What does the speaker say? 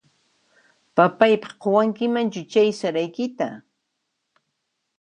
Papayqaq quwankimanchu chay saraykita?